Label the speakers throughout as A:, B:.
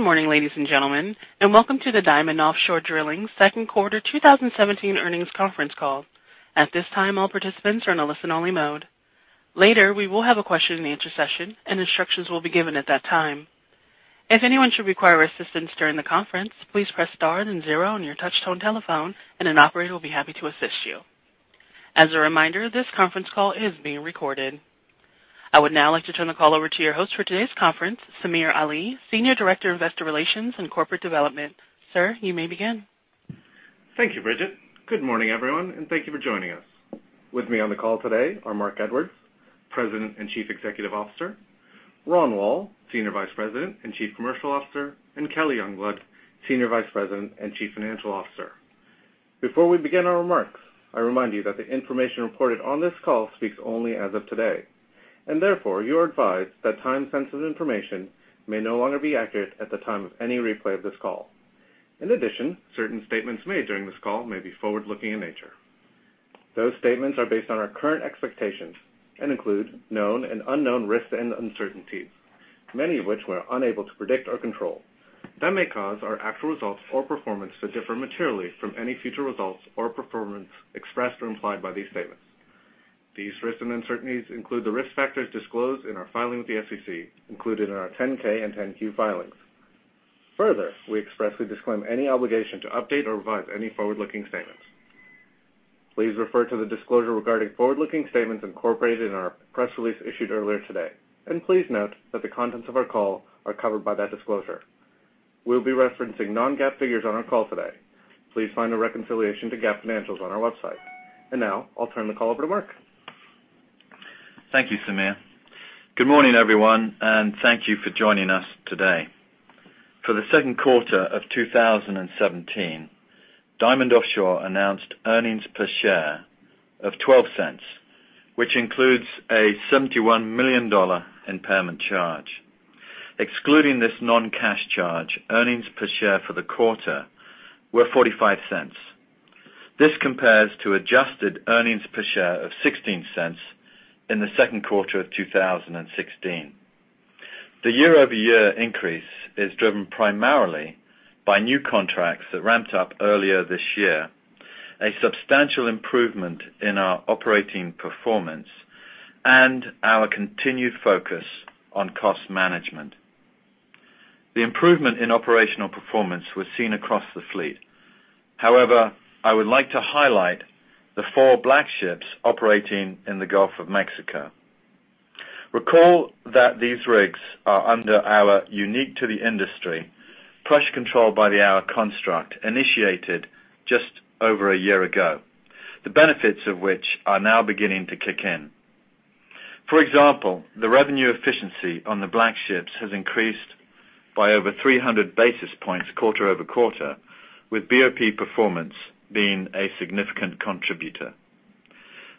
A: Good morning, ladies and gentlemen, and welcome to the Diamond Offshore Drilling second quarter 2017 earnings conference call. At this time, all participants are in a listen-only mode. Later, we will have a question-and-answer session, and instructions will be given at that time. If anyone should require assistance during the conference, please press star then 0 on your touch-tone telephone, and an operator will be happy to assist you. As a reminder, this conference call is being recorded. I would now like to turn the call over to your host for today's conference, Samir Ali, Senior Director of Investor Relations and Corporate Development. Sir, you may begin.
B: Thank you, Bridget. Good morning, everyone, and thank you for joining us. With me on the call today are Marc Edwards, President and Chief Executive Officer, Ronald Woll, Senior Vice President and Chief Commercial Officer, and Kelly Youngblood, Senior Vice President and Chief Financial Officer. Before we begin our remarks, I remind you that the information reported on this call speaks only as of today, and therefore you are advised that time-sensitive information may no longer be accurate at the time of any replay of this call. In addition, certain statements made during this call may be forward-looking in nature. Those statements are based on our current expectations and include known and unknown risks and uncertainties, many of which we are unable to predict or control. That may cause our actual results or performance to differ materially from any future results or performance expressed or implied by these statements. These risks and uncertainties include the risk factors disclosed in our filing with the SEC included in our 10-K and 10-Q filings. Further, we expressly disclaim any obligation to update or revise any forward-looking statements. Please refer to the disclosure regarding forward-looking statements incorporated in our press release issued earlier today, and please note that the contents of our call are covered by that disclosure. We will be referencing non-GAAP figures on our call today. Please find a reconciliation to GAAP financials on our website. Now I will turn the call over to Marc.
C: Thank you, Samir. Good morning, everyone, and thank you for joining us today. For the second quarter of 2017, Diamond Offshore announced earnings per share of $0.12, which includes a $71 million impairment charge. Excluding this non-cash charge, earnings per share for the quarter were $0.45. This compares to adjusted earnings per share of $0.16 in the second quarter of 2016. The year-over-year increase is driven primarily by new contracts that ramped up earlier this year, a substantial improvement in our operating performance, and our continued focus on cost management. The improvement in operational performance was seen across the fleet. However, I would like to highlight the four Black ships operating in the Gulf of Mexico. Recall that these rigs are under our unique-to-the-industry Pressure Control by the Hour construct initiated just over a year ago, the benefits of which are now beginning to kick in. For example, the revenue efficiency on the black ships has increased by over 300 basis points quarter-over-quarter, with BOP performance being a significant contributor.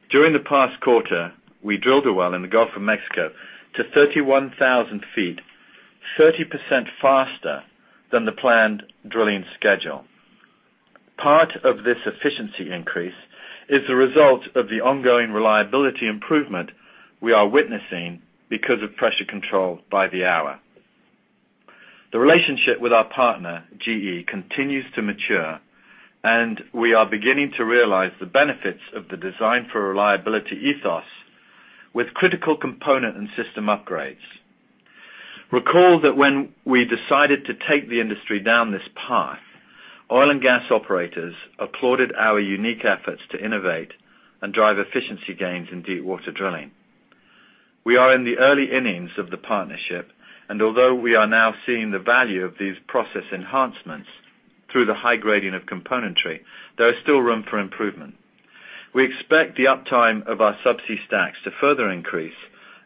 C: During the past quarter, we drilled a well in the Gulf of Mexico to 31,000 feet, 30% faster than the planned drilling schedule. Part of this efficiency increase is the result of the ongoing reliability improvement we are witnessing because of Pressure Control by the Hour. The relationship with our partner, GE, continues to mature, and we are beginning to realize the benefits of the design for reliability ethos with critical component and system upgrades. Recall that when we decided to take the industry down this path, oil and gas operators applauded our unique efforts to innovate and drive efficiency gains in deep water drilling. We are in the early innings of the partnership, and although we are now seeing the value of these process enhancements through the high gradient of componentry, there is still room for improvement. We expect the uptime of our subsea stacks to further increase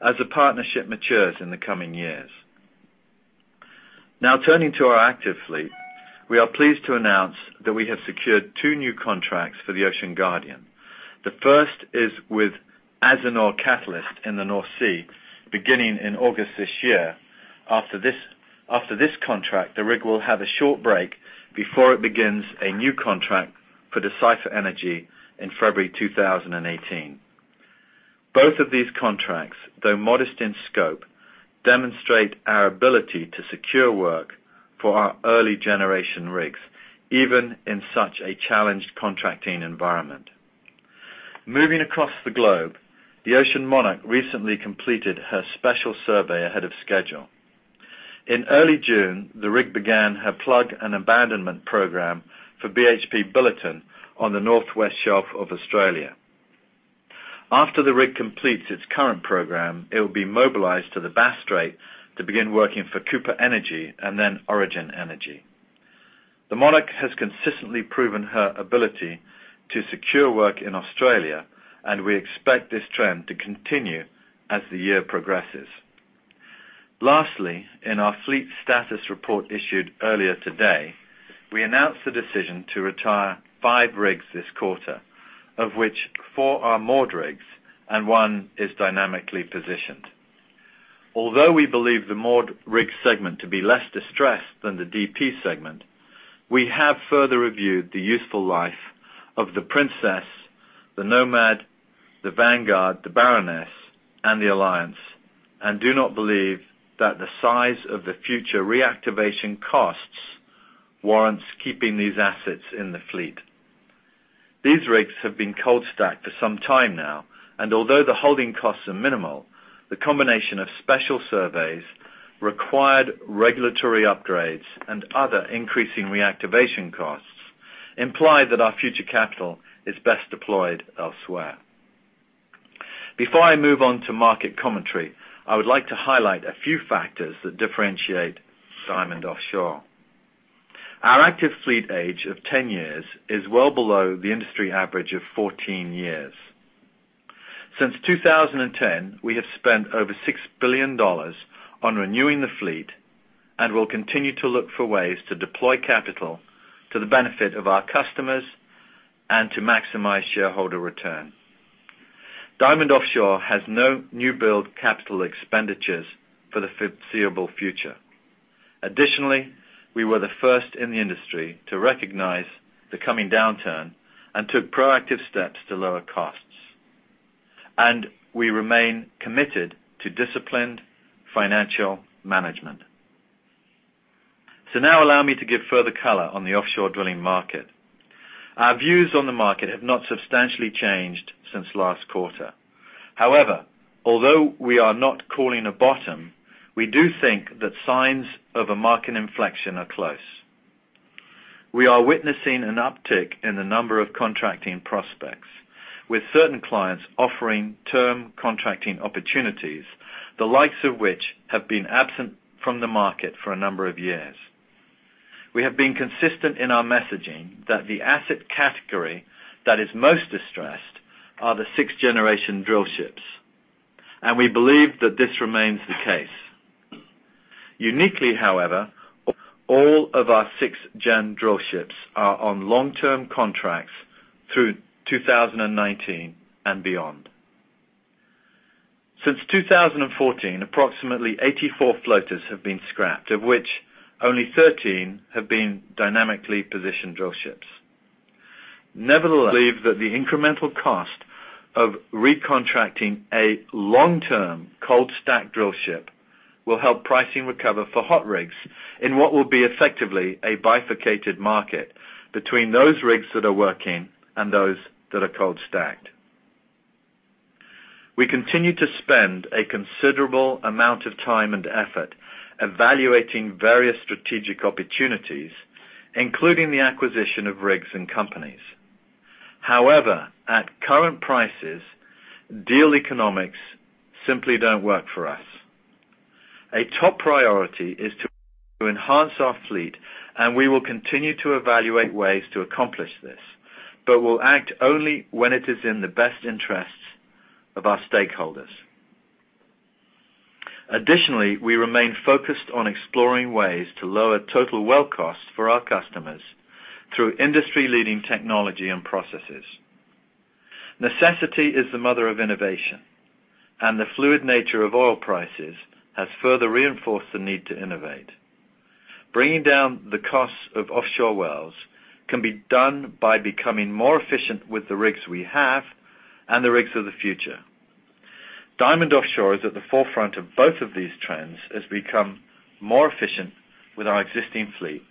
C: as the partnership matures in the coming years. Turning to our active fleet, we are pleased to announce that we have secured 2 new contracts for the Ocean Guardian. The first is with Azinor Catalyst in the North Sea, beginning in August this year. After this contract, the rig will have a short break before it begins a new contract for Decipher Energy in February 2018. Both of these contracts, though modest in scope, demonstrate our ability to secure work for our early generation rigs, even in such a challenged contracting environment. Moving across the globe, the Ocean Monarch recently completed her special survey ahead of schedule. In early June, the rig began her plug and abandonment program for BHP Billiton on the northwest shelf of Australia. After the rig completes its current program, it will be mobilized to the Bass Strait to begin working for Cooper Energy and then Origin Energy. The Monarch has consistently proven her ability to secure work in Australia, and we expect this trend to continue as the year progresses. Lastly, in our fleet status report issued earlier today, we announced the decision to retire 5 rigs this quarter, of which 4 are moored rigs and 1 is dynamically positioned. Although we believe the moored rig segment to be less distressed than the DP segment, we have further reviewed the useful life of the Ocean Princess, the Ocean Nomad, the Ocean Vanguard, the Ocean Baroness, and the Ocean Alliance, and do not believe that the size of the future reactivation costs warrants keeping these assets in the fleet. These rigs have been cold stacked for some time now, and although the holding costs are minimal, the combination of special surveys, required regulatory upgrades, and other increasing reactivation costs imply that our future capital is best deployed elsewhere. Before I move on to market commentary, I would like to highlight a few factors that differentiate Diamond Offshore. Our active fleet age of 10 years is well below the industry average of 14 years. Since 2010, we have spent over $6 billion on renewing the fleet and will continue to look for ways to deploy capital to the benefit of our customers and to maximize shareholder return. Diamond Offshore has no new build capital expenditures for the foreseeable future. Additionally, we were the first in the industry to recognize the coming downturn and took proactive steps to lower costs, and we remain committed to disciplined financial management. Now allow me to give further color on the offshore drilling market. Our views on the market have not substantially changed since last quarter. However, although we are not calling a bottom, we do think that signs of a market inflection are close. We are witnessing an uptick in the number of contracting prospects, with certain clients offering term contracting opportunities, the likes of which have been absent from the market for a number of years. We have been consistent in our messaging that the asset category that is most distressed are the sixth-generation drill ships, and we believe that this remains the case. Uniquely, however, all of our sixth-gen drill ships are on long-term contracts through 2019 and beyond. Since 2014, approximately 84 floaters have been scrapped, of which only 13 have been dynamically positioned drill ships. Nevertheless, that the incremental cost of recontracting a long-term cold stacked drill ship will help pricing recover for hot rigs in what will be effectively a bifurcated market between those rigs that are working and those that are cold stacked. We continue to spend a considerable amount of time and effort evaluating various strategic opportunities, including the acquisition of rigs and companies. However, at current prices, deal economics simply don't work for us. A top priority is to enhance our fleet, and we will continue to evaluate ways to accomplish this, but will act only when it is in the best interests of our stakeholders. Additionally, we remain focused on exploring ways to lower total well costs for our customers through industry-leading technology and processes. Necessity is the mother of innovation, and the fluid nature of oil prices has further reinforced the need to innovate. Bringing down the costs of offshore wells can be done by becoming more efficient with the rigs we have and the rigs of the future. Diamond Offshore is at the forefront of both of these trends as we become more efficient with our existing fleet,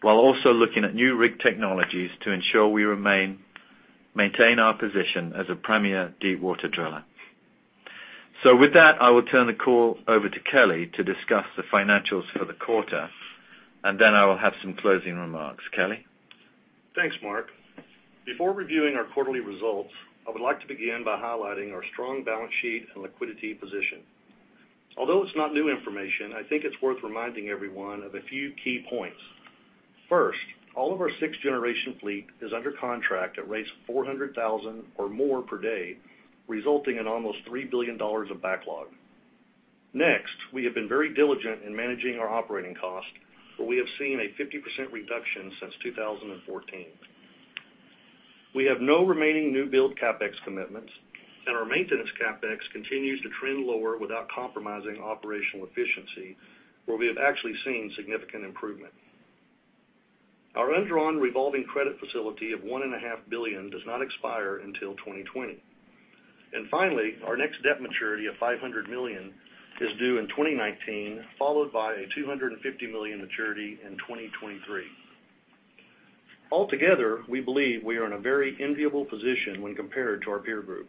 C: while also looking at new rig technologies to ensure we maintain our position as a premier deepwater driller. With that, I will turn the call over to Kelly to discuss the financials for the quarter, and then I will have some closing remarks. Kelly?
D: Thanks, Marc. Before reviewing our quarterly results, I would like to begin by highlighting our strong balance sheet and liquidity position. Although it's not new information, I think it's worth reminding everyone of a few key points. First, all of our sixth-generation fleet is under contract at rates $400,000 or more per day, resulting in almost $3 billion of backlog. Next, we have been very diligent in managing our operating cost, but we have seen a 50% reduction since 2014. We have no remaining new build CapEx commitments, and our maintenance CapEx continues to trend lower without compromising operational efficiency, where we have actually seen significant improvement. Our undrawn revolving credit facility of $1.5 billion does not expire until 2020. Finally, our next debt maturity of $500 million is due in 2019, followed by a $250 million maturity in 2023. Altogether, we believe we are in a very enviable position when compared to our peer group.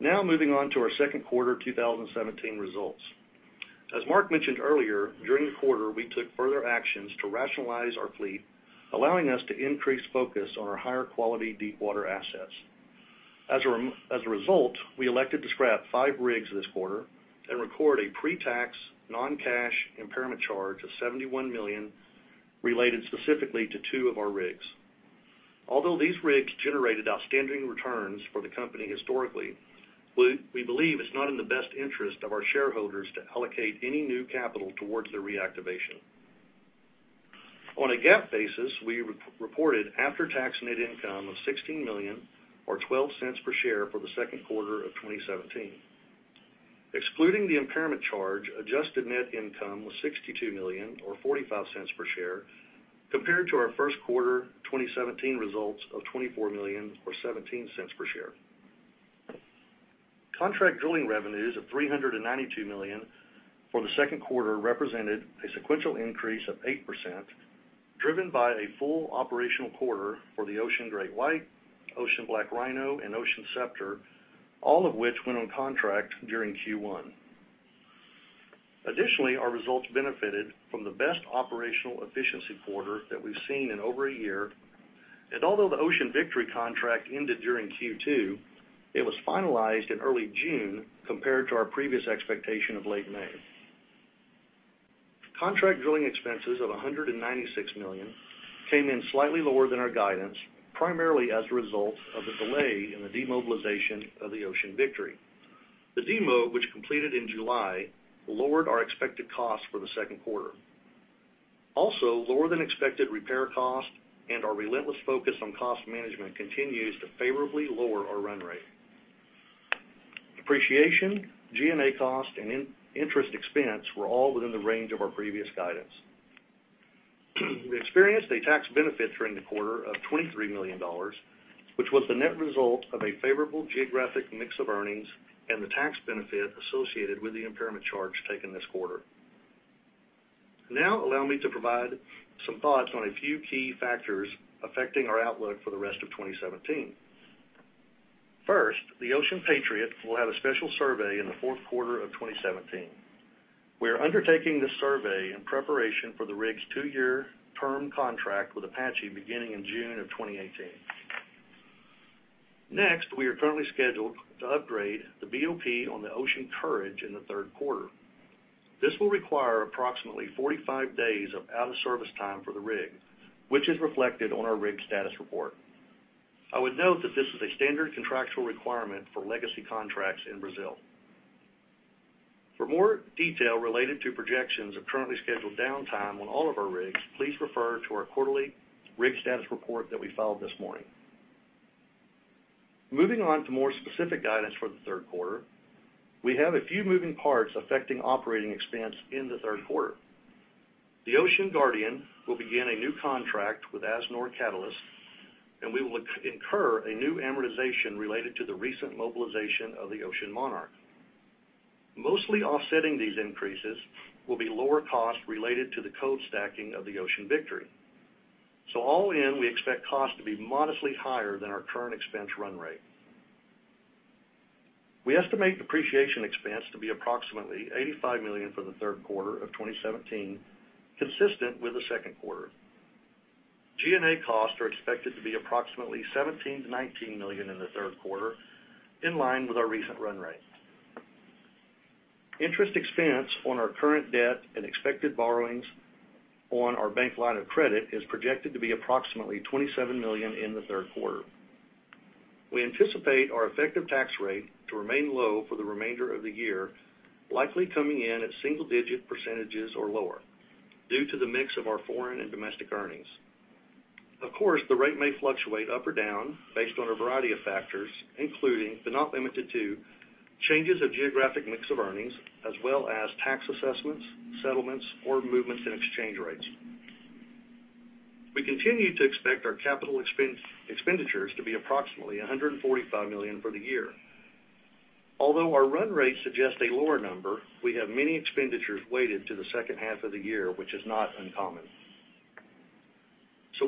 D: Moving on to our second quarter 2017 results. As Marc mentioned earlier, during the quarter, we took further actions to rationalize our fleet, allowing us to increase focus on our higher-quality deepwater assets. As a result, we elected to scrap five rigs this quarter and record a pre-tax non-cash impairment charge of $71 million related specifically to two of our rigs. Although these rigs generated outstanding returns for the company historically, we believe it's not in the best interest of our shareholders to allocate any new capital towards their reactivation. On a GAAP basis, we reported after-tax net income of $16 million or $0.12 per share for the second quarter of 2017. Excluding the impairment charge, adjusted net income was $62 million, or $0.45 per share, compared to our first quarter 2017 results of $24 million, or $0.17 per share. Contract drilling revenues of $392 million for the second quarter represented a sequential increase of 8%, driven by a full operational quarter for the Ocean GreatWhite, Ocean BlackRhino, and Ocean Scepter, all of which went on contract during Q1. Additionally, our results benefited from the best operational efficiency quarter that we've seen in over a year. Although the Ocean Victory contract ended during Q2, it was finalized in early June, compared to our previous expectation of late May. Contract drilling expenses of $196 million came in slightly lower than our guidance, primarily as a result of the delay in the demobilization of the Ocean Victory. The demo, which completed in July, lowered our expected cost for the second quarter. Lower-than-expected repair cost and our relentless focus on cost management continues to favorably lower our run rate. Depreciation, G&A cost, and interest expense were all within the range of our previous guidance. We experienced a tax benefit during the quarter of $23 million, which was the net result of a favorable geographic mix of earnings and the tax benefit associated with the impairment charge taken this quarter. Allow me to provide some thoughts on a few key factors affecting our outlook for the rest of 2017. First, the Ocean Patriot will have a special survey in the fourth quarter of 2017. We are undertaking this survey in preparation for the rig's two-year term contract with Apache beginning in June of 2018. Next, we are currently scheduled to upgrade the BOP on the Ocean Courage in the third quarter. This will require approximately 45 days of out-of-service time for the rig, which is reflected on our rig status report. I would note that this is a standard contractual requirement for legacy contracts in Brazil. For more detail related to projections of currently scheduled downtime on all of our rigs, please refer to our quarterly rig status report that we filed this morning. Moving on to more specific guidance for the third quarter, we have a few moving parts affecting operating expense in the third quarter. The Ocean Guardian will begin a new contract with Azinor Catalyst, and we will incur a new amortization related to the recent mobilization of the Ocean Monarch. Mostly offsetting these increases will be lower cost related to the cold stacking of the Ocean Victory. All in, we expect cost to be modestly higher than our current expense run rate. We estimate depreciation expense to be approximately $85 million for the third quarter of 2017, consistent with the second quarter. G&A costs are expected to be approximately $17 million-$19 million in the third quarter, in line with our recent run rate. Interest expense on our current debt and expected borrowings on our bank line of credit is projected to be approximately $27 million in the third quarter. We anticipate our effective tax rate to remain low for the remainder of the year, likely coming in at single-digit percentages or lower due to the mix of our foreign and domestic earnings. Of course, the rate may fluctuate up or down based on a variety of factors, including, but not limited to, changes of geographic mix of earnings as well as tax assessments, settlements, or movements in exchange rates. We continue to expect our capital expenditures to be approximately $145 million for the year. Although our run rate suggests a lower number, we have many expenditures weighted to the second half of the year, which is not uncommon.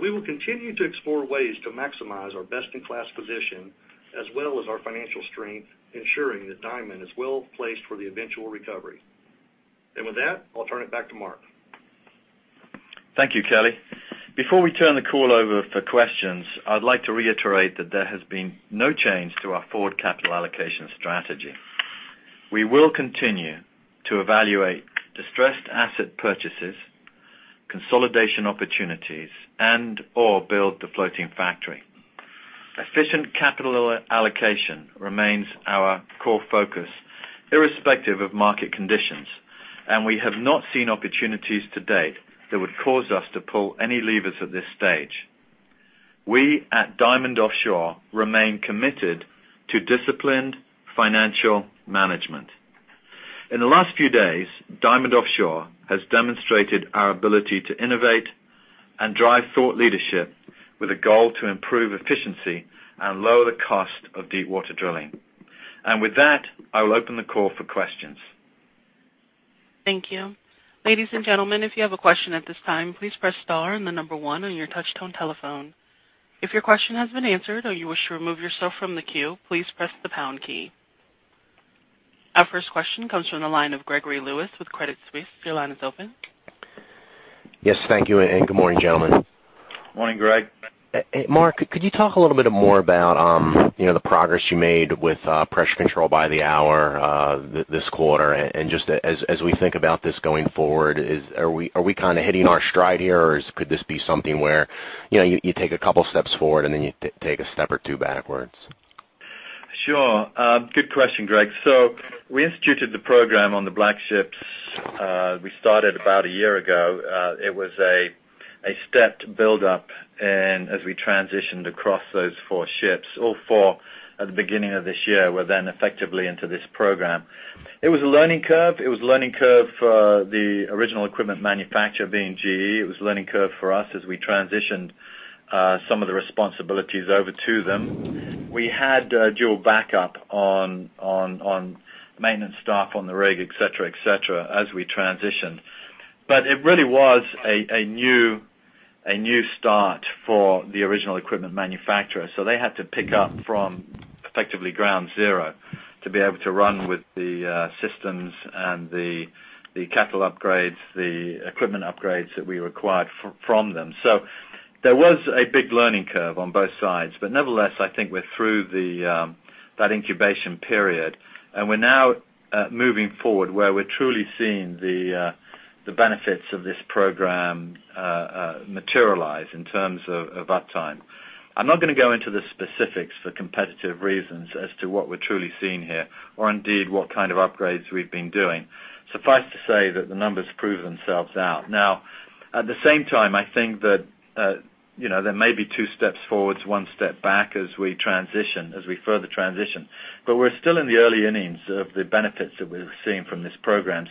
D: We will continue to explore ways to maximize our best-in-class position as well as our financial strength, ensuring that Diamond is well-placed for the eventual recovery. With that, I'll turn it back to Marc.
C: Thank you, Kelly. Before we turn the call over for questions, I'd like to reiterate that there has been no change to our forward capital allocation strategy. We will continue to evaluate distressed asset purchases, consolidation opportunities, and/or build the floating factory. Efficient capital allocation remains our core focus irrespective of market conditions, and we have not seen opportunities to date that would cause us to pull any levers at this stage. We at Diamond Offshore remain committed to disciplined financial management. In the last few days, Diamond Offshore has demonstrated our ability to innovate and drive thought leadership with a goal to improve efficiency and lower the cost of deepwater drilling. With that, I will open the call for questions.
A: Thank you. Ladies and gentlemen, if you have a question at this time, please press star and the number 1 on your touch-tone telephone. If your question has been answered or you wish to remove yourself from the queue, please press the pound key. Our first question comes from the line of Gregory Lewis with Credit Suisse. Your line is open.
E: Yes. Thank you, and good morning, gentlemen.
D: Morning, Greg.
E: Marc, could you talk a little bit more about the progress you made with Pressure Control by the Hour this quarter, and just as we think about this going forward, are we hitting our stride here, or could this be something where you take a couple steps forward and then you take a step or two backwards?
C: Sure. Good question, Greg. We instituted the program on the Black Ships. We started about a year ago. It was a stepped build-up, and as we transitioned across those four ships, all four at the beginning of this year, were effectively into this program. It was a learning curve. It was a learning curve for the original equipment manufacturer, being GE. It was a learning curve for us as we transitioned some of the responsibilities over to them. We had dual backup on maintenance staff on the rig, et cetera, as we transitioned. It really was a new start for the original equipment manufacturer. They had to pick up from effectively ground zero to be able to run with the systems and the capital upgrades, the equipment upgrades that we required from them. There was a big learning curve on both sides. Nevertheless, I think we're through that incubation period, and we're now moving forward where we're truly seeing the benefits of this program materialize in terms of uptime. I'm not going to go into the specifics for competitive reasons as to what we're truly seeing here, or indeed what kind of upgrades we've been doing. Suffice to say that the numbers prove themselves out. At the same time, I think that there may be two steps forwards, one step back as we further transition, we're still in the early innings of the benefits that we're seeing from this program.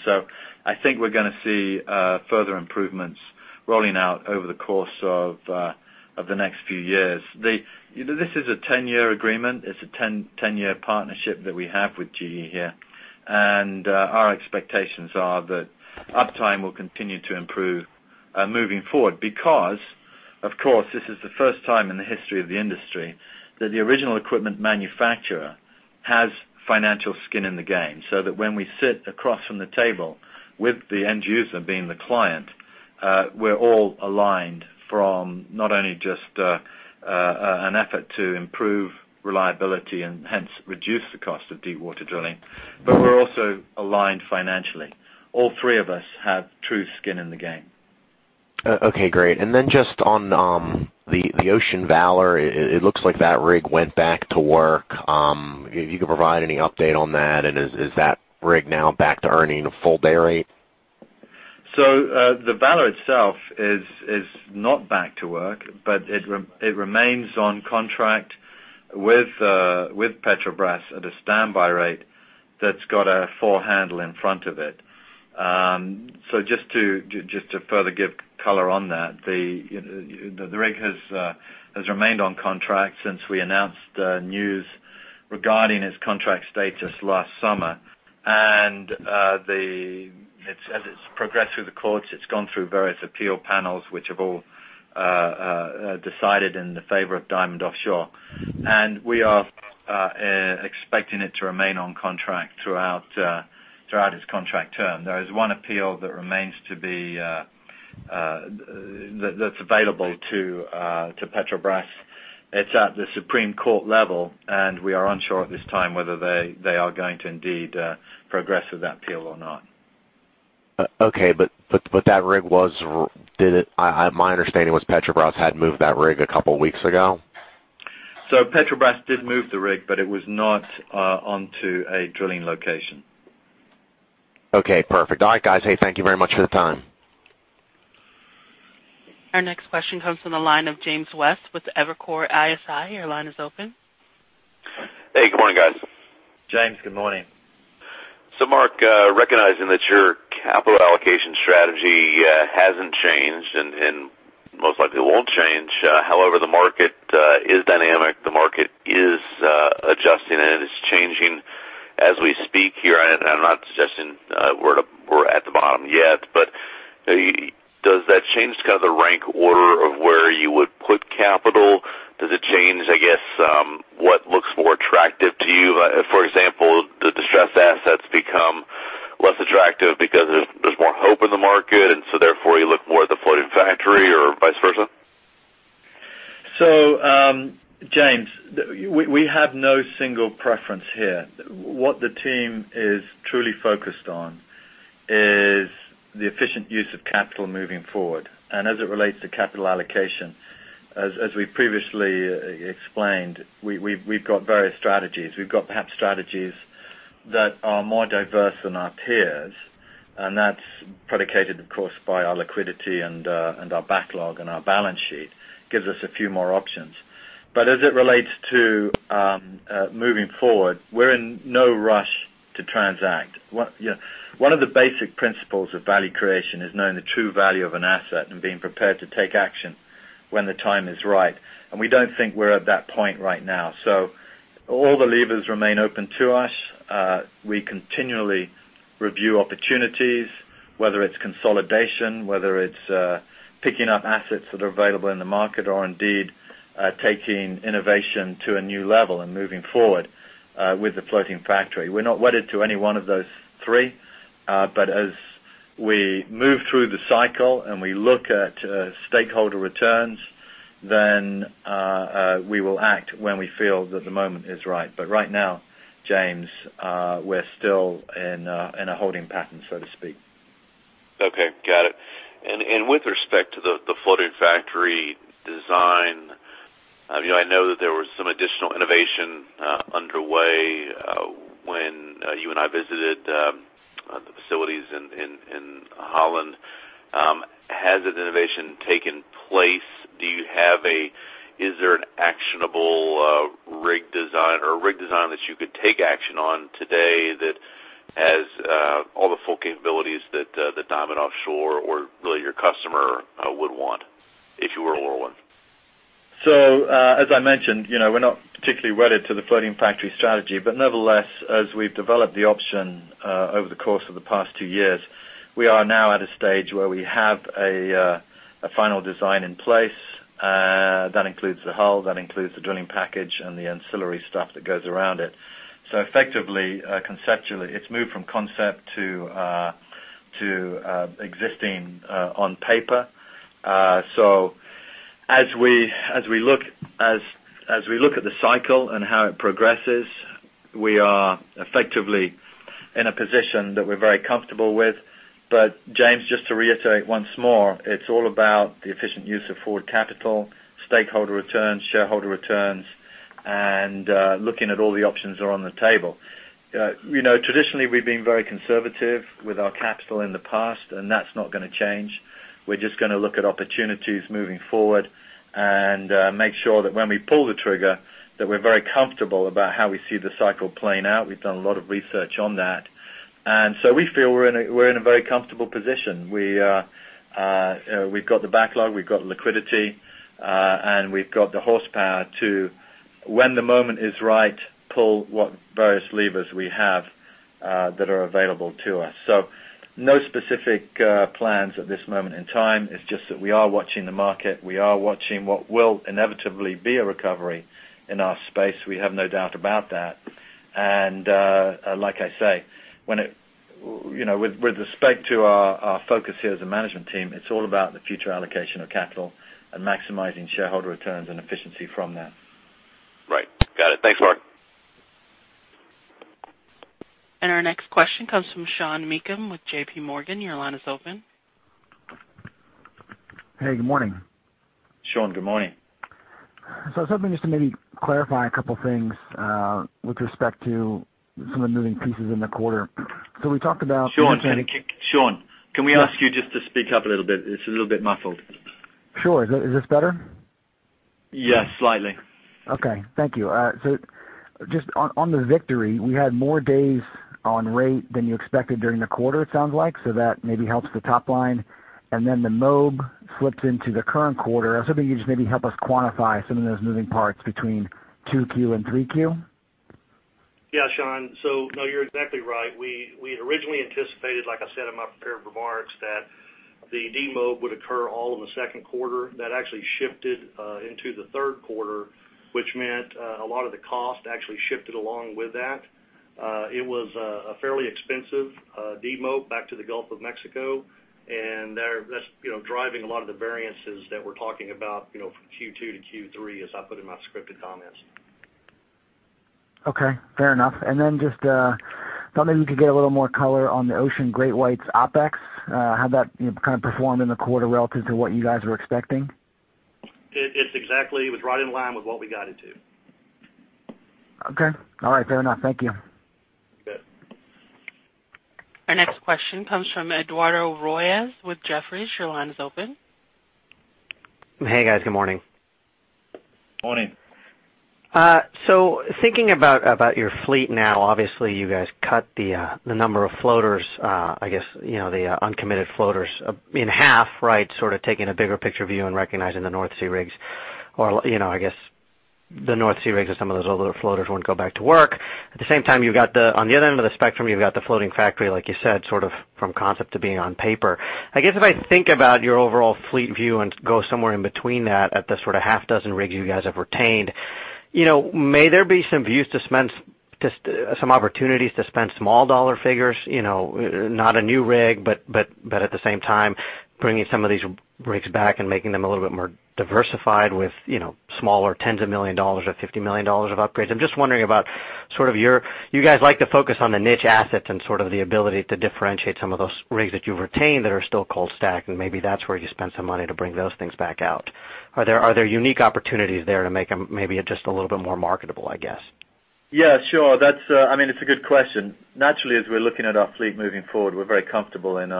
C: I think we're going to see further improvements rolling out over the course of the next few years. This is a 10-year agreement. It's a 10-year partnership that we have with GE here. Our expectations are that uptime will continue to improve moving forward because, of course, this is the first time in the history of the industry that the original equipment manufacturer has financial skin in the game, so that when we sit across from the table with the end user, being the client, we're all aligned from not only just an effort to improve reliability and hence reduce the cost of deepwater drilling, but we're also aligned financially. All three of us have true skin in the game.
E: Okay, great. Then just on the Ocean Valor, it looks like that rig went back to work. If you could provide any update on that, and is that rig now back to earning a full day rate?
C: The Valor itself is not back to work, but it remains on contract with Petrobras at a standby rate that has a four handle in front of it. Just to further give color on that, the rig has remained on contract since we announced news regarding its contract status last summer. As it has progressed through the courts, it has gone through various appeal panels, which have all decided in the favor of Diamond Offshore. We are expecting it to remain on contract throughout its contract term. There is one appeal that is available to Petrobras. It is at the Supreme Court level, and we are unsure at this time whether they are going to indeed progress with that appeal or not.
E: Okay. My understanding was Petrobras had moved that rig a couple of weeks ago.
C: Petrobras did move the rig, it was not onto a drilling location.
E: Okay, perfect. All right, guys. Hey, thank you very much for the time.
A: Our next question comes from the line of James West with Evercore ISI. Your line is open.
F: Hey, good morning, guys.
C: James, good morning.
F: Marc, recognizing that your capital allocation strategy hasn't changed and most likely won't change, however, the market is dynamic, the market is adjusting, and it is changing as we speak here. I'm not suggesting we're at the bottom yet, but does that change kind of the rank order of where you would put capital? Does it change, I guess, what looks more attractive to you? For example, do distressed assets become less attractive because there's more hope in the market, and so therefore you look more at the floating factory or vice versa?
C: James, we have no single preference here. What the team is truly focused on is the efficient use of capital moving forward. As it relates to capital allocation, as we previously explained, we've got various strategies. We've got perhaps strategies that are more diverse than our peers, and that's predicated, of course, by our liquidity and our backlog and our balance sheet. Gives us a few more options. As it relates to moving forward, we're in no rush to transact. One of the basic principles of value creation is knowing the true value of an asset and being prepared to take action when the time is right. We don't think we're at that point right now. All the levers remain open to us. We continually review opportunities, whether it's consolidation, whether it's picking up assets that are available in the market or indeed taking innovation to a new level and moving forward with the floating factory. We're not wedded to any one of those three. As we move through the cycle and we look at stakeholder returns, we will act when we feel that the moment is right. Right now, James, we're still in a holding pattern, so to speak.
F: Okay, got it. With respect to the floating factory design I know that there was some additional innovation underway when you and I visited the facilities in Holland. Has that innovation taken place? Is there an actionable rig design or a rig design that you could take action on today that has all the full capabilities that Diamond Offshore or really your customer would want if you were a lower one?
C: As I mentioned, we're not particularly wedded to the floating factory strategy. Nevertheless, as we've developed the option over the course of the past two years, we are now at a stage where we have a final design in place. That includes the hull, that includes the drilling package and the ancillary stuff that goes around it. Effectively, conceptually, it's moved from concept to existing on paper. As we look at the cycle and how it progresses, we are effectively in a position that we're very comfortable with. James, just to reiterate once more, it's all about the efficient use of forward capital, stakeholder returns, shareholder returns, and looking at all the options that are on the table. Traditionally, we've been very conservative with our capital in the past, that's not going to change. We're just going to look at opportunities moving forward and make sure that when we pull the trigger, that we're very comfortable about how we see the cycle playing out. We've done a lot of research on that. We feel we're in a very comfortable position. We've got the backlog, we've got liquidity, and we've got the horsepower to, when the moment is right, pull what various levers we have that are available to us. No specific plans at this moment in time. It's just that we are watching the market. We are watching what will inevitably be a recovery in our space. We have no doubt about that. Like I say, with respect to our focus here as a management team, it's all about the future allocation of capital and maximizing shareholder returns and efficiency from that.
F: Right. Got it. Thanks, Marc.
A: Our next question comes from Sean Meakim with J.P. Morgan. Your line is open.
G: Hey, good morning.
C: Sean, good morning.
G: I was hoping just to maybe clarify a couple of things with respect to some of the moving pieces in the quarter.
C: Sean, can we ask you just to speak up a little bit? It's a little bit muffled.
G: Sure. Is this better?
C: Yes, slightly.
G: Okay. Thank you. Just on the Victory, we had more days on rate than you expected during the quarter, it sounds like. That maybe helps the top line. Then the demob slipped into the current quarter. I was hoping you could just maybe help us quantify some of those moving parts between 2Q and 3Q.
D: Yeah, Sean. No, you're exactly right. We originally anticipated, like I said in my prepared remarks, that the demob would occur all in the second quarter. That actually shifted into the third quarter, which meant a lot of the cost actually shifted along with that. It was a fairly expensive demob back to the Gulf of Mexico. That's driving a lot of the variances that we're talking about from Q2 to Q3, as I put in my scripted comments.
G: Okay, fair enough. Then just thought maybe we could get a little more color on the Ocean GreatWhite's OpEx, how that kind of performed in the quarter relative to what you guys were expecting.
D: It's exactly, it was right in line with what we guided to.
G: Okay. All right, fair enough. Thank you.
D: You bet.
A: Our next question comes from Eduardo Royes with Jefferies. Your line is open.
H: Hey, guys. Good morning.
C: Morning.
H: Thinking about your fleet now, obviously you guys cut the number of floaters, I guess, the uncommitted floaters in half, right? Sort of taking a bigger picture view and recognizing the North Sea rigs, or I guess the North Sea rigs or some of those other floaters wouldn't go back to work. At the same time, on the other end of the spectrum, you've got the floating factory, like you said, sort of from concept to being on paper. I guess if I think about your overall fleet view and go somewhere in between that at the sort of half dozen rigs you guys have retained. May there be some opportunities to spend small dollar figures? Not a new rig, at the same time bringing some of these rigs back and making them a little bit more diversified with smaller tens of million dollars or $50 million of upgrades. I'm just wondering about. You guys like to focus on the niche assets and sort of the ability to differentiate some of those rigs that you've retained that are still cold stacked, and maybe that's where you spend some money to bring those things back out. Are there unique opportunities there to make them maybe just a little bit more marketable, I guess?
C: Yeah, sure. It's a good question. Naturally, as we're looking at our fleet moving forward, we're very comfortable in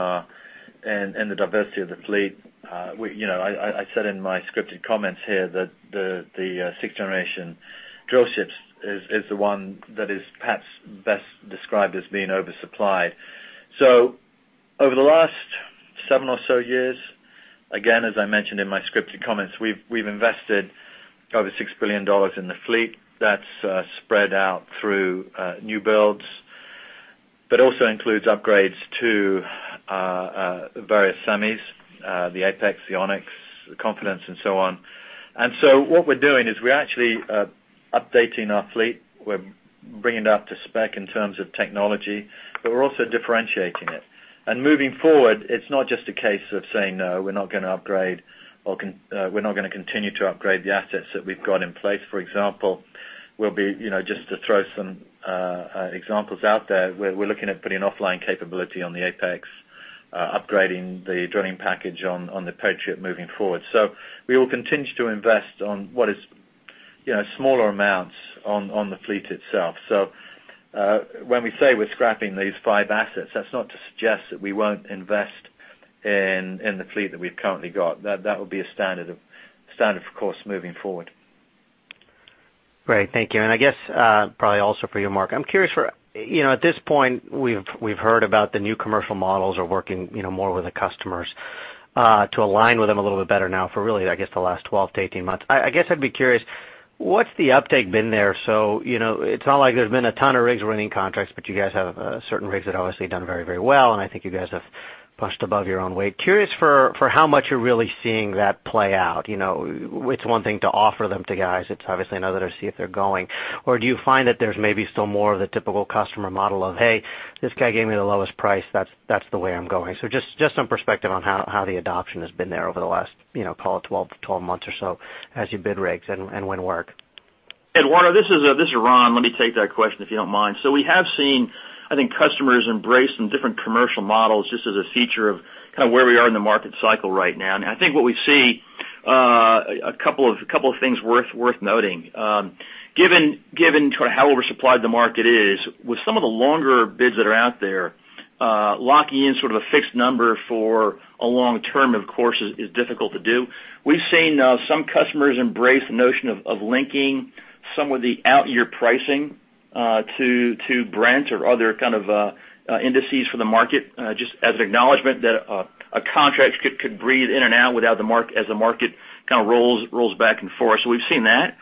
C: the diversity of the fleet. I said in my scripted comments here that the sixth generation drillships is the one that is perhaps best described as being oversupplied. Over the last seven or so years, again, as I mentioned in my scripted comments, we've invested over $6 billion in the fleet. That's spread out through new builds, but also includes upgrades to various semis, the Ocean Apex, the Ocean Onyx, the Ocean Confidence, and so on. What we're doing is we're actually updating our fleet. We're bringing it up to spec in terms of technology, we're also differentiating it. Moving forward, it's not just a case of saying, no, we're not going to upgrade or we're not going to continue to upgrade the assets that we've got in place, for example. We'll be, just to throw some examples out there, we're looking at putting an offline capability on the Ocean Apex, upgrading the drilling package on the Ocean Patriot moving forward. We will continue to invest on what is smaller amounts on the fleet itself. When we say we're scrapping these five assets, that's not to suggest that we won't invest in the fleet that we've currently got. That will be a standard, of course, moving forward.
H: Great. Thank you. I guess, probably also for you, Marc, I'm curious for, at this point, we've heard about the new commercial models are working more with the customers to align with them a little bit better now for really, I guess, the last 12-18 months. I guess I'd be curious, what's the uptake been there? It's not like there's been a ton of rigs winning contracts, but you guys have certain rigs that obviously done very well, and I think you guys have punched above your own weight. Curious for how much you're really seeing that play out. It's one thing to offer them to guys. It's obviously another to see if they're going. Do you find that there's maybe still more of the typical customer model of, "Hey, this guy gave me the lowest price. That's the way I'm going"? Just some perspective on how the adoption has been there over the last call it 12 months or so as you bid rigs and win work.
I: Eduardo, this is Ron. Let me take that question, if you don't mind. We have seen, I think, customers embrace some different commercial models just as a feature of where we are in the market cycle right now. I think what we see, a couple of things worth noting. Given to how oversupplied the market is, with some of the longer bids that are out there, locking in sort of a fixed number for a long term, of course, is difficult to do. We've seen some customers embrace the notion of linking some of the out year pricing to Brent or other kind of indices for the market, just as an acknowledgement that a contract could breathe in and out as the market kind of rolls back and forth. We've seen that.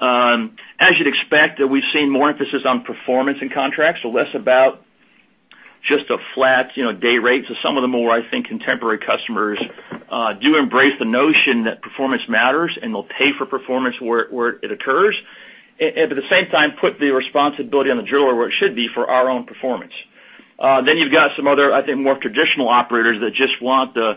I: As you'd expect, we've seen more emphasis on performance in contracts, so less about just a flat day rate. Some of the more, I think, contemporary customers do embrace the notion that performance matters, and they'll pay for performance where it occurs, and at the same time, put the responsibility on the driller where it should be for our own performance. You've got some other, I think, more traditional operators that just want the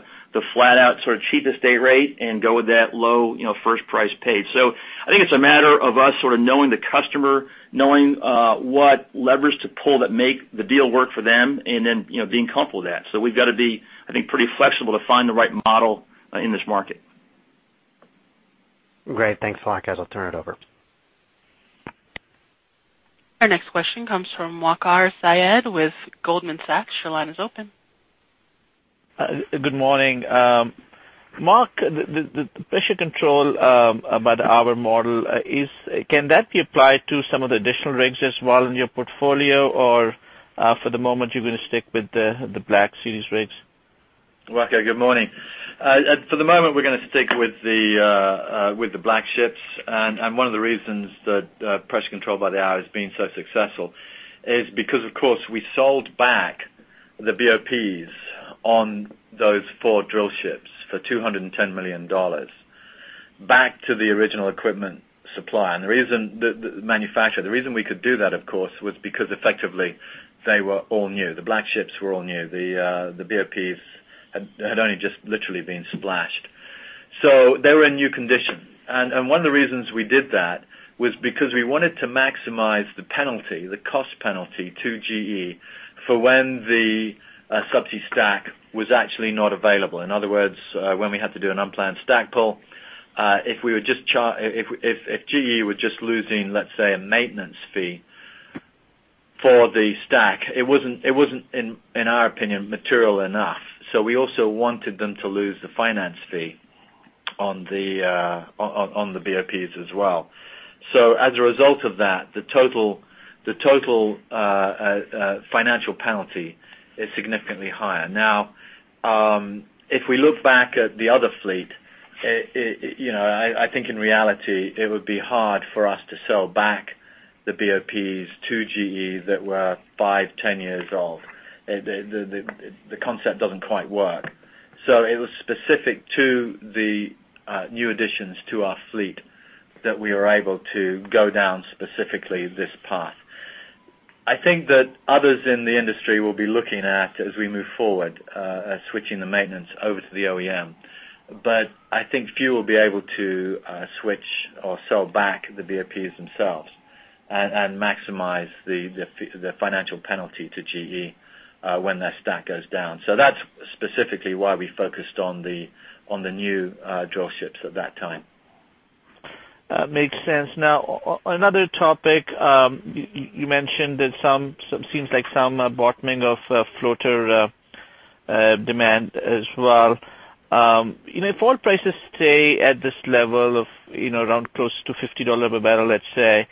I: flat out sort of cheapest day rate and go with that low first price paid. I think it's a matter of us sort of knowing the customer, knowing what levers to pull that make the deal work for them and then being comfortable with that. We've got to be, I think, pretty flexible to find the right model in this market.
H: Great. Thanks a lot, guys. I'll turn it over.
A: Our next question comes from Waqar Syed with Goldman Sachs. Your line is open.
J: Good morning. Marc, the Pressure Control by the Hour model, can that be applied to some of the additional rigs as well in your portfolio? For the moment, you're going to stick with the Black Series rigs?
C: Waqar, good morning. For the moment, we're going to stick with the black ships. One of the reasons that Pressure Control by the Hour has been so successful is because, of course, we sold back the BOPs on those four drill ships for $210 million back to the original equipment supplier, the manufacturer. The reason we could do that, of course, was because effectively, they were all new. The black ships were all new. The BOPs had only just literally been splashed. They were in new condition. One of the reasons we did that was because we wanted to maximize the penalty, the cost penalty to GE for when the subsea stack was actually not available. In other words, when we had to do an unplanned stack pull. If GE was just losing, let's say, a maintenance fee for the stack, it wasn't, in our opinion, material enough. We also wanted them to lose the finance fee on the BOPs as well. As a result of that, the total financial penalty is significantly higher. If we look back at the other fleet, I think in reality, it would be hard for us to sell back the BOPs to GE that were 5, 10 years old. The concept doesn't quite work. It was specific to the new additions to our fleet that we were able to go down specifically this path. I think that others in the industry will be looking at, as we move forward, switching the maintenance over to the OEM. I think few will be able to switch or sell back the BOPs themselves and maximize the financial penalty to GE when their stack goes down. That's specifically why we focused on the new drill ships at that time.
J: Makes sense. Another topic. You mentioned it seems like some bottoming of floater demand as well. If oil prices stay at this level of around close to $50 a barrel, let's say,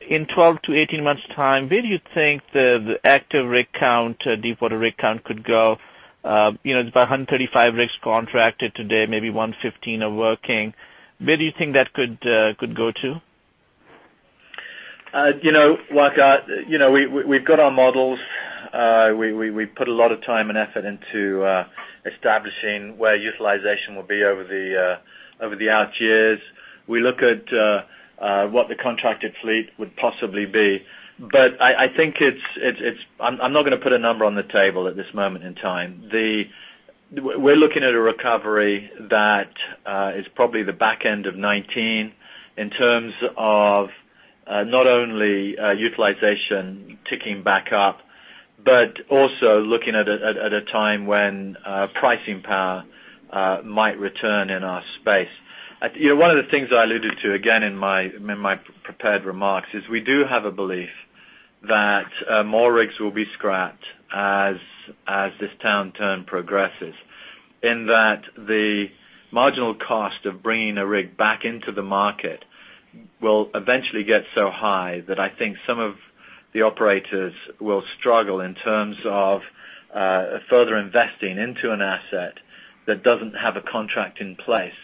J: in 12 to 18 months' time, where do you think the active rig count, deepwater rig count could go? It's about 135 rigs contracted today, maybe 115 are working. Where do you think that could go to?
C: Waqar, we've got our models. We put a lot of time and effort into establishing where utilization will be over the out years. We look at what the contracted fleet would possibly be. I think I'm not gonna put a number on the table at this moment in time. We're looking at a recovery that is probably the back end of 2019 in terms of not only utilization ticking back up, but also looking at a time when pricing power might return in our space. One of the things I alluded to, again in my prepared remarks, is we do have a belief that more rigs will be scrapped as this downturn progresses. In that, the marginal cost of bringing a rig back into the market will eventually get so high that I think some of the operators will struggle in terms of further investing into an asset that doesn't have a contract in place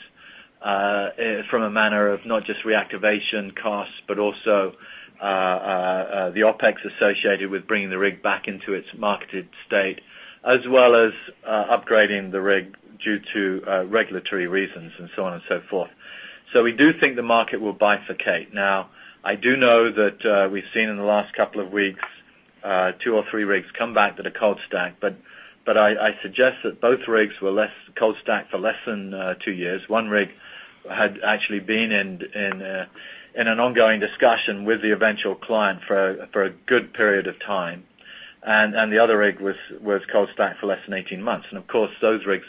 C: from a manner of not just reactivation costs, but also the OpEx associated with bringing the rig back into its marketed state, as well as upgrading the rig due to regulatory reasons and so on and so forth. We do think the market will bifurcate. I do know that we've seen in the last couple of weeks, two or three rigs come back that are cold stacked, I suggest that both rigs were cold stacked for less than two years. One rig had actually been in an ongoing discussion with the eventual client for a good period of time. The other rig was cold stacked for less than 18 months. Of course, those rigs,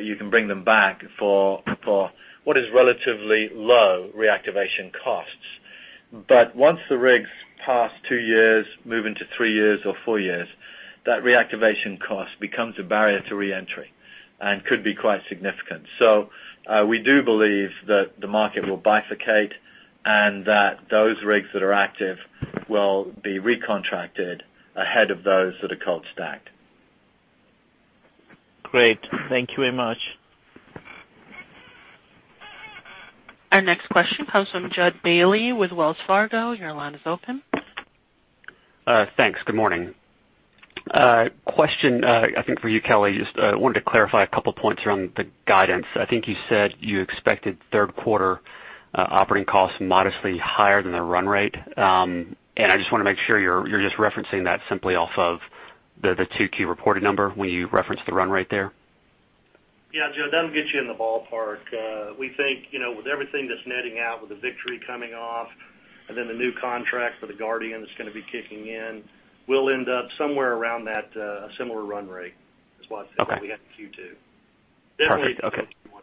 C: you can bring them back for what is relatively low reactivation costs. Once the rigs pass two years, move into three years or four years, that reactivation cost becomes a barrier to re-entry and could be quite significant. We do believe that the market will bifurcate and that those rigs that are active will be recontracted ahead of those that are cold stacked.
J: Great. Thank you very much.
A: Our next question comes from Judd Bailey with Wells Fargo. Your line is open.
K: Thanks. Good morning. Question, I think for you, Kelly. Just wanted to clarify a couple points around the guidance. I think you said you expected third quarter operating costs modestly higher than the run rate. I just want to make sure you're just referencing that simply off of the 2Q reported number when you referenced the run rate there?
D: Yeah, Judd, that'll get you in the ballpark. We think, with everything that's netting out with the Victory coming off, and then the new contract for the Guardian that's going to be kicking in, we'll end up somewhere around that, a similar run rate as what I said.
K: Okay
D: we had in Q2.
K: Perfect. Okay.
D: Definitely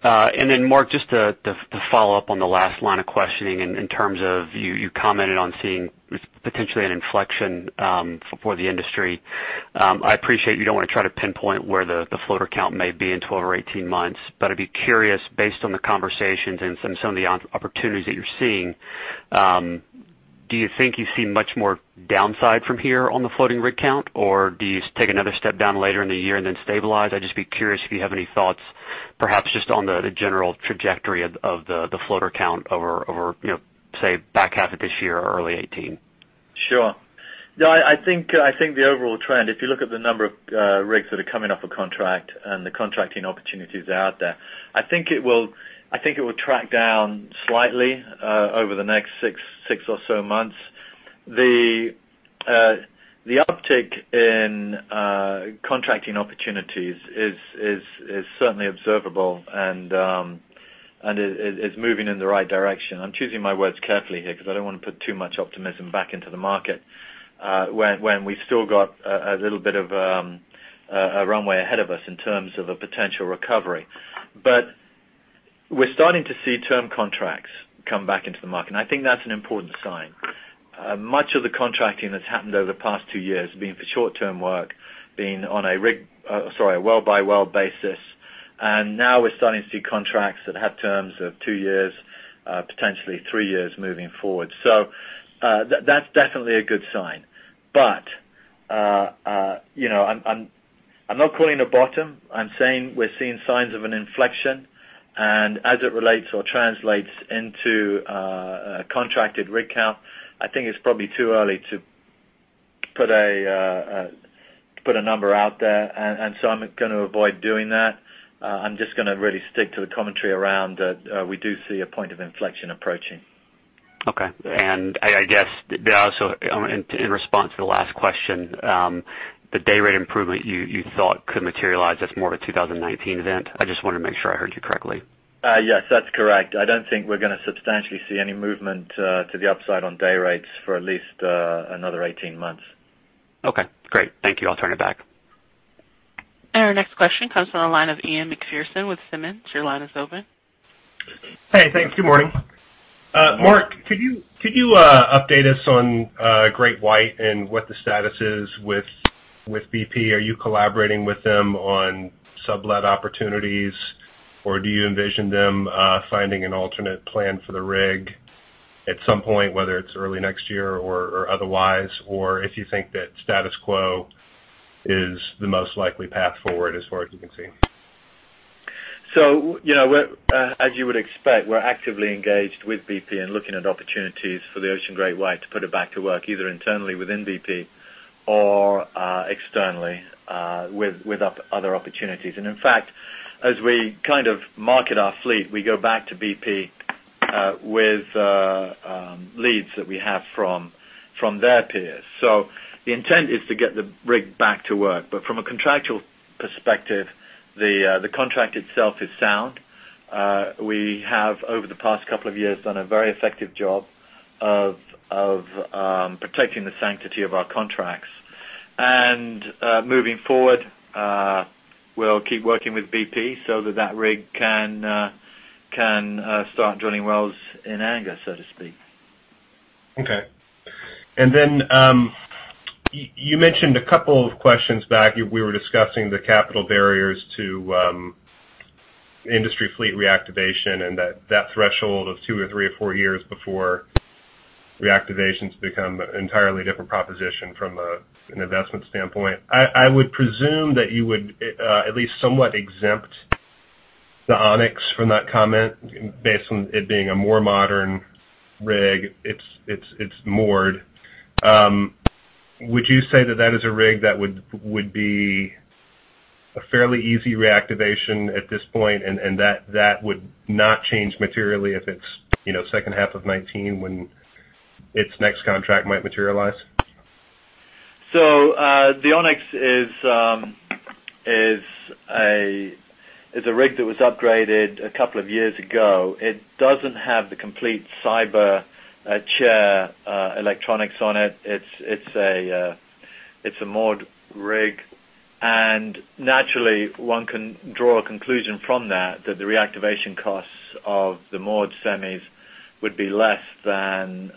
D: there.
K: Okay. Marc, just to follow up on the last line of questioning in terms of you commented on seeing potentially an inflection for the industry. I appreciate you don't want to try to pinpoint where the floater count may be in 12 or 18 months, but I'd be curious, based on the conversations and some of the opportunities that you're seeing, do you think you see much more downside from here on the floating rig count, or do you take another step down later in the year and then stabilize? I'd just be curious if you have any thoughts, perhaps just on the general trajectory of the floater count over, say, back half of this year or early 2018.
C: Sure. I think the overall trend, if you look at the number of rigs that are coming off of contract and the contracting opportunities out there, I think it will track down slightly over the next six or so months. The uptick in contracting opportunities is certainly observable and is moving in the right direction. I'm choosing my words carefully here because I don't want to put too much optimism back into the market when we've still got a little bit of a runway ahead of us in terms of a potential recovery. We're starting to see term contracts come back into the market, and I think that's an important sign. Much of the contracting that's happened over the past two years being for short-term work, being on a well-by-well basis, now we're starting to see contracts that have terms of two years, potentially three years moving forward. That's definitely a good sign. I'm not calling a bottom. I'm saying we're seeing signs of an inflection, as it relates or translates into contracted rig count, I think it's probably too early to put a number out there, I'm going to avoid doing that. I'm just going to really stick to the commentary around that we do see a point of inflection approaching.
K: Okay. I guess also in response to the last question, the day rate improvement you thought could materialize, that's more of a 2019 event? I just want to make sure I heard you correctly.
C: Yes, that's correct. I don't think we're going to substantially see any movement to the upside on day rates for at least another 18 months.
K: Okay, great. Thank you. I'll turn it back.
A: Our next question comes from the line of Ian Macpherson with Simmons. Your line is open.
L: Hey, thanks. Good morning. Marc, could you update us on GreatWhite and what the status is with BP? Are you collaborating with them on sublet opportunities, or do you envision them finding an alternate plan for the rig at some point, whether it's early next year or otherwise, or if you think that status quo is the most likely path forward as far as you can see?
C: As you would expect, we're actively engaged with BP and looking at opportunities for the Ocean GreatWhite to put it back to work, either internally within BP or externally with other opportunities. In fact, as we market our fleet, we go back to BP with leads that we have from their peers. The intent is to get the rig back to work. From a contractual perspective, the contract itself is sound. We have, over the past couple of years, done a very effective job of protecting the sanctity of our contracts. Moving forward, we'll keep working with BP so that that rig can start drilling wells in anger, so to speak.
L: Okay. You mentioned a couple of questions back, we were discussing the capital barriers to industry fleet reactivation and that threshold of two or three or four years before reactivations become an entirely different proposition from an investment standpoint. I would presume that you would at least somewhat exempt the Onyx from that comment based on it being a more modern rig. It's moored. Would you say that that is a rig that would be a fairly easy reactivation at this point and that would not change materially if it's second half of 2019 when its next contract might materialize?
C: The Ocean Onyx is a rig that was upgraded a couple of years ago. It doesn't have the complete cyber chair electronics on it. It's a moored rig. Naturally, one can draw a conclusion from that the reactivation costs of the moored semis would be less than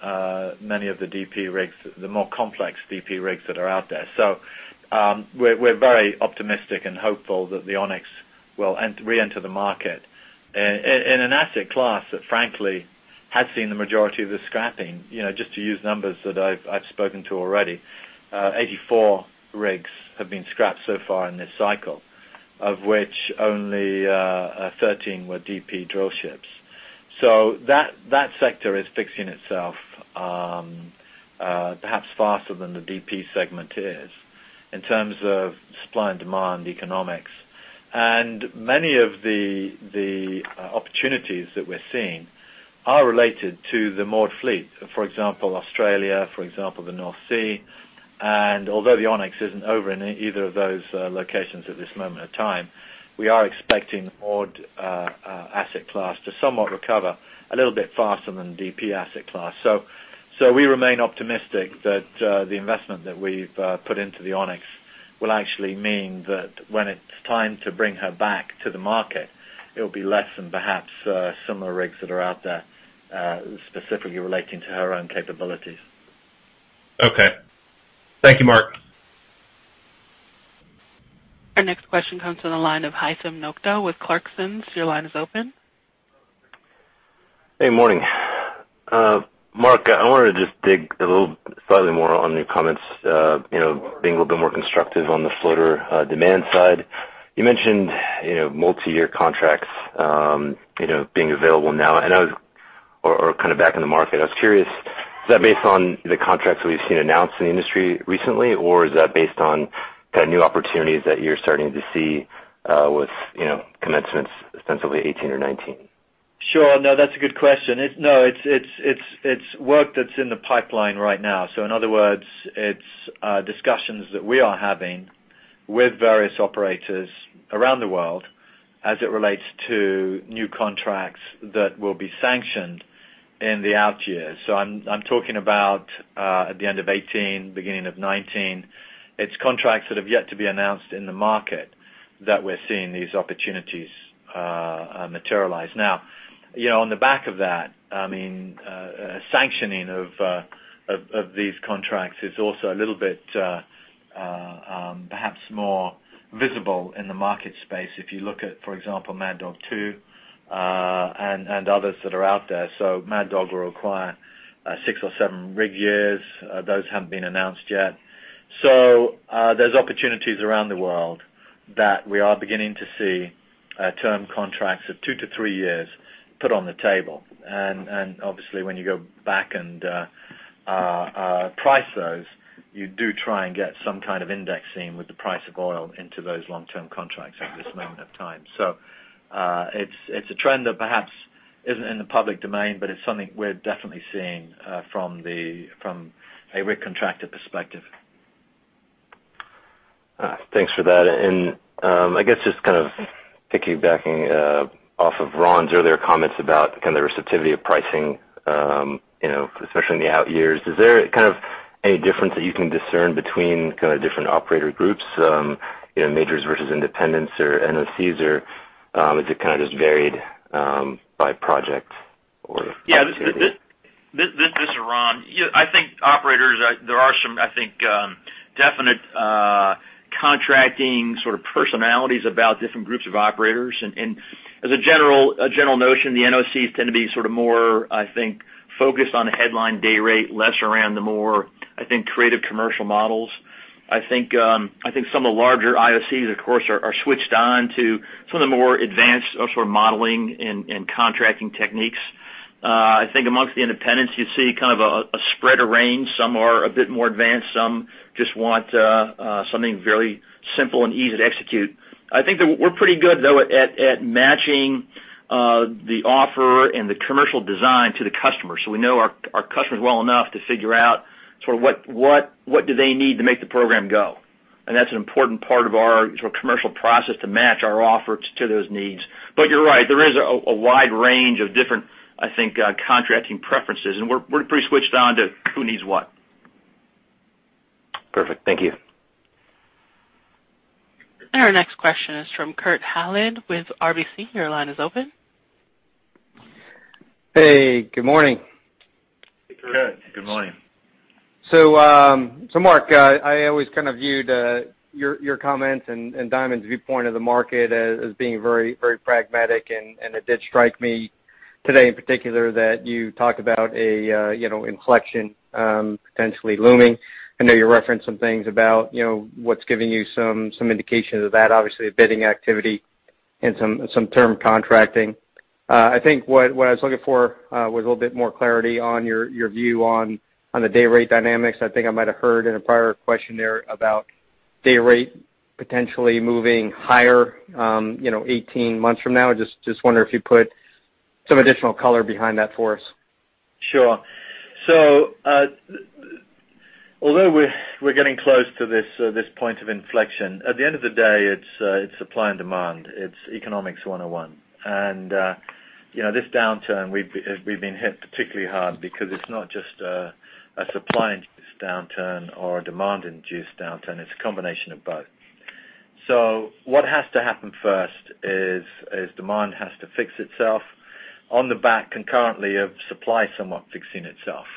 C: many of the DP rigs, the more complex DP rigs that are out there. We're very optimistic and hopeful that the Ocean Onyx will reenter the market in an asset class that, frankly, has seen the majority of the scrapping. Just to use numbers that I've spoken to already, 84 rigs have been scrapped so far in this cycle, of which only 13 were DP drill ships. That sector is fixing itself, perhaps faster than the DP segment is in terms of supply and demand economics. Many of the opportunities that we're seeing are related to the moored fleet, for example, Australia, for example, the North Sea. Although the Ocean Onyx isn't over in either of those locations at this moment of time, we are expecting moored asset class to somewhat recover a little bit faster than DP asset class. We remain optimistic that the investment that we've put into the Ocean Onyx will actually mean that when it's time to bring her back to the market, it'll be less than perhaps similar rigs that are out there, specifically relating to her own capabilities.
L: Okay. Thank you, Marc.
A: Our next question comes from the line of Haithum Nokta with Clarksons. Your line is open.
M: Hey, morning. Marc, I wanted to just dig a little slightly more on your comments, being a little bit more constructive on the floater demand side. You mentioned multiyear contracts being available now or kind of back in the market. I was curious, is that based on the contracts that we've seen announced in the industry recently, or is that based on kind of new opportunities that you're starting to see with commencements ostensibly 2018 or 2019?
C: Sure. No, that's a good question. No, it's work that's in the pipeline right now. In other words, it's discussions that we are having with various operators around the world as it relates to new contracts that will be sanctioned in the out years. I'm talking about at the end of 2018, beginning of 2019. It's contracts that have yet to be announced in the market that we're seeing these opportunities materialize. On the back of that, sanctioning of these contracts is also a little bit, perhaps more visible in the market space if you look at, for example, Mad Dog Phase 2, and others that are out there. Mad Dog will require six or seven rig years. Those haven't been announced yet. There's opportunities around the world that we are beginning to see term contracts of two to three years put on the table. Obviously when you go back and price those, you do try and get some kind of indexing with the price of oil into those long-term contracts at this moment of time. It's a trend that perhaps isn't in the public domain, but it's something we're definitely seeing from a rig contractor perspective.
M: All right. Thanks for that. I guess just kind of piggybacking off of Ron's earlier comments about kind of the receptivity of pricing, especially in the out years, is there any difference that you can discern between kind of different operator groups, majors versus independents or NOCs, or is it kind of just varied by project or
I: Yeah. This is Ron. I think operators, there are some definite contracting sort of personalities about different groups of operators. As a general notion, the NOCs tend to be sort of more, I think, focused on the headline day rate, less around the more, I think, creative commercial models. I think some of the larger IOCs, of course, are switched on to some of the more advanced sort of modeling and contracting techniques. I think amongst the independents, you see kind of a spread of range. Some are a bit more advanced, some just want something very simple and easy to execute. I think that we're pretty good, though, at matching the offer and the commercial design to the customer, so we know our customers well enough to figure out what do they need to make the program go. That's an important part of our commercial process to match our offers to those needs. You're right, there is a wide range of different, I think, contracting preferences, and we're pretty switched on to who needs what.
M: Perfect. Thank you.
A: Our next question is from Kurt Hallead with RBC. Your line is open.
N: Hey, good morning.
C: Hey, Kurt. Good morning.
N: Marc, I always kind of viewed your comments and Diamond's viewpoint of the market as being very pragmatic, and it did strike me today in particular that you talked about a inflection potentially looming. I know you referenced some things about what's giving you some indications of that, obviously bidding activity and some term contracting. I think what I was looking for was a little bit more clarity on your view on the day rate dynamics. I think I might have heard in a prior question there about day rate potentially moving higher 18 months from now. Just wonder if you'd put some additional color behind that for us?
C: Sure. Although we're getting close to this point of inflection, at the end of the day, it's supply and demand. It's economics 101. This downturn, we've been hit particularly hard because it's not just a supply-induced downturn or a demand-induced downturn. It's a combination of both. What has to happen first is demand has to fix itself on the back concurrently of supply somewhat fixing itself.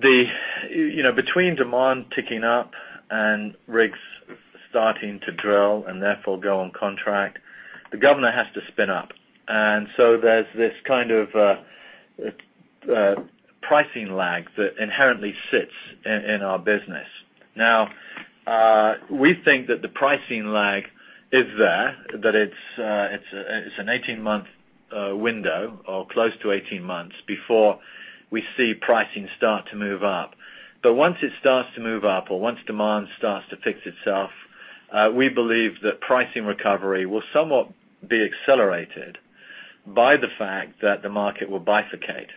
C: Between demand ticking up and rigs starting to drill and therefore go on contract, the governor has to spin up. There's this kind of pricing lag that inherently sits in our business. Now, we think that the pricing lag is there, that it's an 18-month window or close to 18 months before we see pricing start to move up. Once it starts to move up or once demand starts to fix itself, we believe that pricing recovery will somewhat be accelerated by the fact that the market will bifurcate.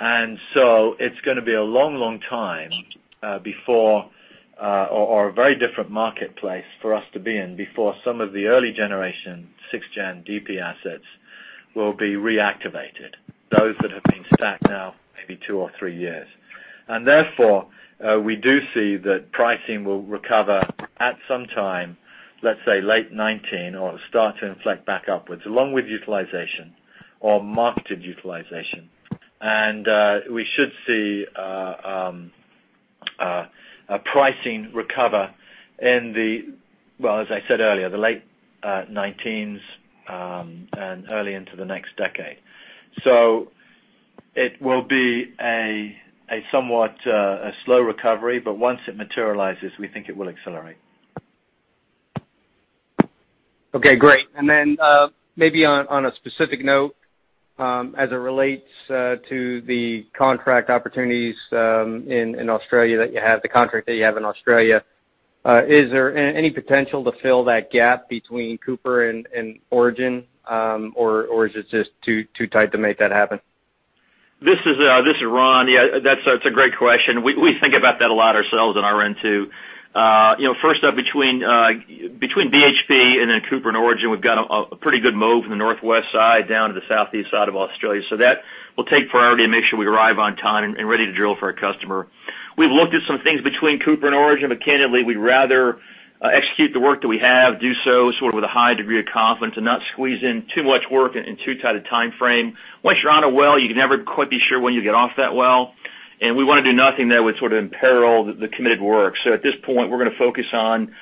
C: It's going to be a long, long time before, or a very different marketplace for us to be in before some of the early generation 6th-gen DP assets will be reactivated. Those that have been stacked now maybe two or three years. Therefore, we do see that pricing will recover at some time, let's say late 2019 or start to inflect back upwards along with utilization or marketed utilization. We should see pricing recover in the well, as I said earlier, the late 2019s and early into the next decade. It will be a somewhat slow recovery, but once it materializes, we think it will accelerate.
N: Okay, great. Maybe on a specific note as it relates to the contract opportunities in Australia that you have, the contract that you have in Australia, is there any potential to fill that gap between Cooper and Origin? Or is it just too tight to make that happen?
I: This is Ron. Yeah, that's a great question. We think about that a lot ourselves on our end, too. First up, between BHP and then Cooper and Origin, we've got a pretty good move from the northwest side down to the southeast side of Australia. That will take priority to make sure we arrive on time and ready to drill for our customer. We've looked at some things between Cooper and Origin, but candidly, we'd rather execute the work that we have, do so sort of with a high degree of confidence and not squeeze in too much work in too tight a timeframe. Once you're on a well, you can never quite be sure when you'll get off that well, and we want to do nothing that would sort of imperil the committed work. At this point, we're going to focus on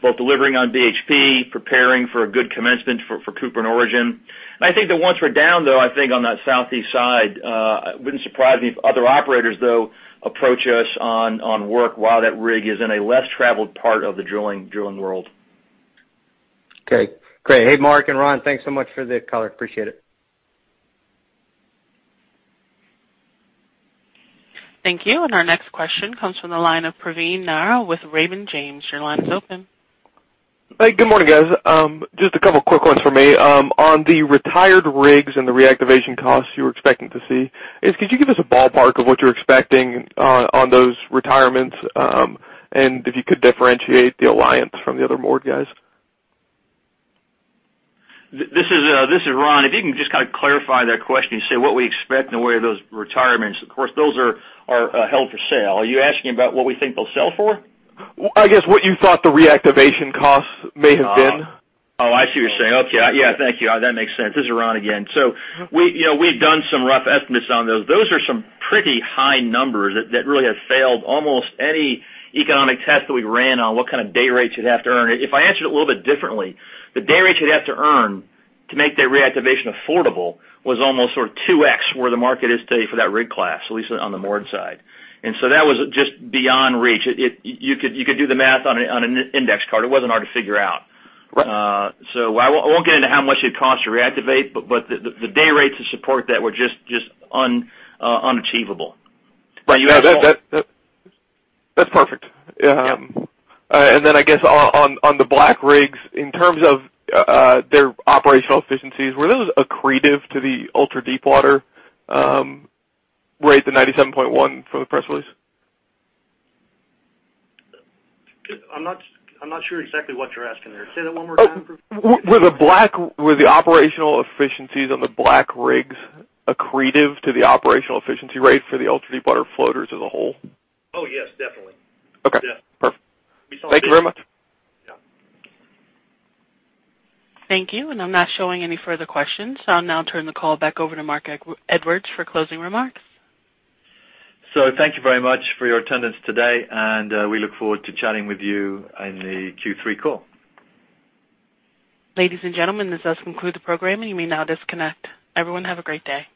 I: both delivering on BHP, preparing for a good commencement for Cooper and Origin. I think that once we're down, though, I think on that southeast side, it wouldn't surprise me if other operators, though, approach us on work while that rig is in a less traveled part of the drilling world.
N: Okay, great. Hey, Marc and Ron, thanks so much for the color. Appreciate it.
A: Thank you. Our next question comes from the line of Praveen Narra with Raymond James. Your line is open.
O: Hey, good morning, guys. Just a couple of quick ones for me. On the retired rigs and the reactivation costs you were expecting to see, could you give us a ballpark of what you're expecting on those retirements? If you could differentiate the Alliance from the other moored guys.
I: This is Ron. If you can just kind of clarify that question, you say what we expect in the way of those retirements. Of course, those are held for sale. Are you asking about what we think they'll sell for?
O: I guess what you thought the reactivation costs may have been.
I: Oh, I see what you're saying. Okay. Yeah. Thank you. That makes sense. This is Ron again. We had done some rough estimates on those. Those are some pretty high numbers that really have failed almost any economic test that we ran on what kind of day rates you'd have to earn. If I answered it a little bit differently, the day rates you'd have to earn to make that reactivation affordable was almost sort of 2x where the market is today for that rig class, at least on the moored side. That was just beyond reach. You could do the math on an index card. It wasn't hard to figure out.
O: Right.
I: I won't get into how much it costs to reactivate, the day rates to support that were just unachievable.
O: That's perfect.
I: Yeah.
O: I guess on the black rigs, in terms of their operational efficiencies, were those accretive to the ultra-deepwater rate, the 97.1 from the press release?
I: I'm not sure exactly what you're asking there. Say that one more time.
O: Were the operational efficiencies on the black rigs accretive to the operational efficiency rate for the ultra-deepwater floaters as a whole?
I: Oh, yes, definitely.
O: Okay.
I: Yeah.
O: Perfect. Thank you very much.
I: Yeah.
A: Thank you. I'm not showing any further questions. I'll now turn the call back over to Marc Edwards for closing remarks.
C: Thank you very much for your attendance today, and we look forward to chatting with you in the Q3 call.
A: Ladies and gentlemen, this does conclude the program. You may now disconnect. Everyone, have a great day.